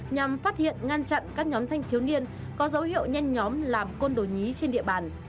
nhằm phát hiện ngăn chặn các nhóm thanh thiếu niên có dấu hiệu nhen nhóm làm côn đồ nhí trên địa bàn